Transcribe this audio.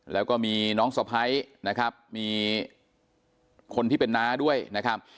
แล้วก็มีน้องสะพ้ายนะครับมีคนที่เป็นน้าด้วยนะครับ